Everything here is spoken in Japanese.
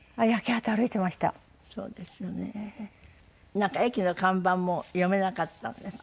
なんか駅の看板も読めなかったんですって？